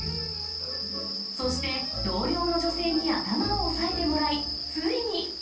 そして、同僚の女性に頭を押さえてもらい、ついに。